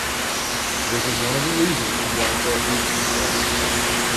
This is one of the reasons the black belt region started.